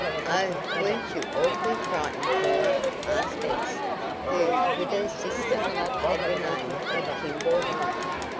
"Oh, weren't you awfully frightened, Cora?" asked Bess, who, with her sister, had remained at the Kimball home.